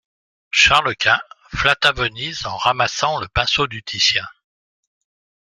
Charles-Quint flatta Venise en ramassant le pinceau du Titien.